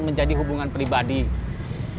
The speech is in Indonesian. menjadi hubungan profesional